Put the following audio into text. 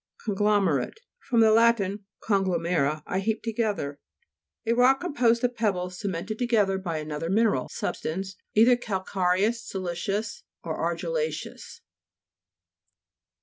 CONGLOMERATE fr. lat. conglo mero, I heap together. A rock composed of pebbles cemented to 19 gether by another mineral sub stance, either calcareous, siliceous, or argilla'ceous.